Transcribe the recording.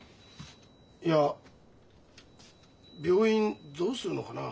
いや病院どうするのかな？